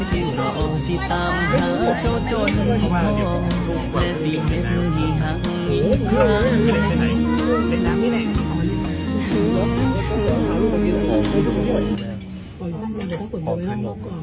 สิ่งรอสิตามหาโจทย์จนกล้องแต่สิ่งไม่รู้ที่ห้างมีความ